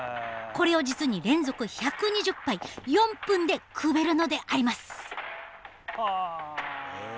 これを実に連続１２０杯４分でくべるのであります。